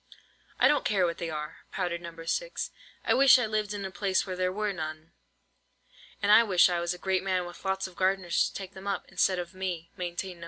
"I don't care what they are," pouted No. 6. "I wish I lived in a place where there were none." "And I wish I was a great man, with lots of gardeners to take them up, instead of me," maintained No.